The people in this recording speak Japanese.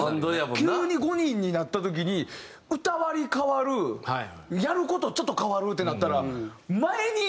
急に５人になった時に歌割り変わるやる事ちょっと変わるってなったら。